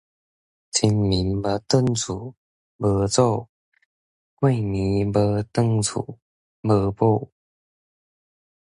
清明無轉厝，無祖；過年無轉厝，無某